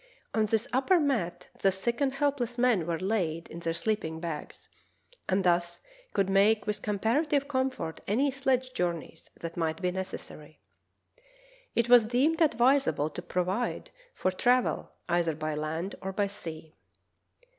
On this upper mat the sick and helpless men were laid in their sleeping bags, and thus could make with comparative comfort any sledge journeys that might be necessary. It was deemed advisable to provide for travel either by land or by sea.